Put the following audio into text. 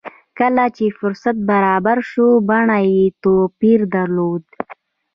کله چې فرصت برابر شو بڼه يې توپير درلود.